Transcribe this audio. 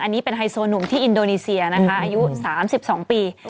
อันนี้เป็นไฮโซหนุ่มที่อินโดนีเซียนะคะอายุ๓๒ปี